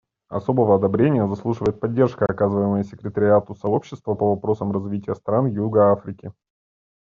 Особого одобрения заслуживает поддержка, оказываемая секретариату Сообщества по вопросам развития стран юга Африки.